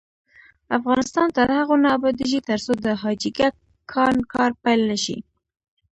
افغانستان تر هغو نه ابادیږي، ترڅو د حاجي ګک کان کار پیل نشي.